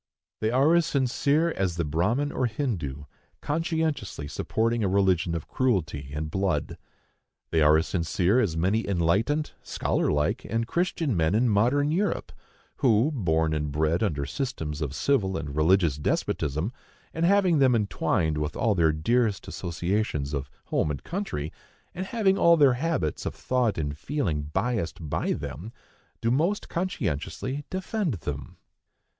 They are as sincere as the Brahmin or Hindoo, conscientiously supporting a religion of cruelty and blood. They are as sincere as many enlightened, scholarlike and Christian men in modern Europe, who, born and bred under systems of civil and religious despotism, and having them entwined with all their dearest associations of home and country, and having all their habits of thought and feeling biased by them, do most conscientiously defend them.